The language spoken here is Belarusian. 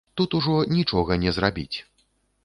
Тут ужо нічога не зрабіць.